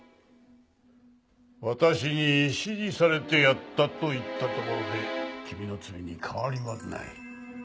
私に指示されてやったと言ったところで君の罪に変わりはない。